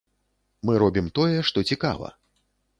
Мы робім тое, што цікава.